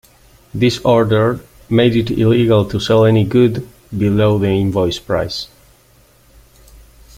This order made it illegal to sell any good below the invoice price.